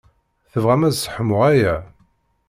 Tebɣam ad sseḥmuɣ aya?